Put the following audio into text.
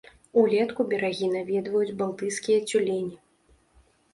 Улетку берагі наведваюць балтыйскія цюлені.